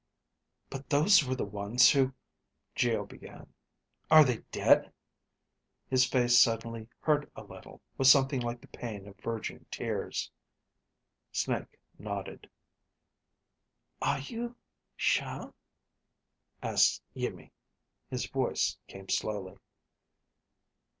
"But those were the ones who " Geo began. "Are they dead?" His face suddenly hurt a little, with something like the pain of verging tears. Snake nodded. "Are you sure?" asked Iimmi. His voice came slowly.